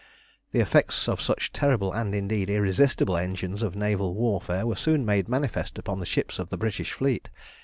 The effects of such terrible and, indeed, irresistible engines of naval warfare were soon made manifest upon the ships of the British fleet.